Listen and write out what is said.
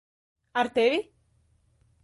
Ar tevi?